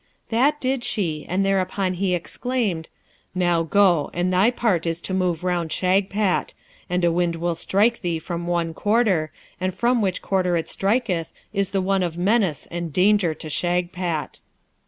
That did she, and thereupon he exclaimed, 'Now go, and thy part is to move round Shagpat; and a wind will strike thee from one quarter, and from which quarter it striketh is the one of menace and danger to Shagpat.'